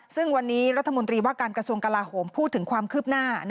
ซึ่งวันนี้รัฐมนตรีว่าการกระทรวงกลาโหมพูดถึงความคืบหน้า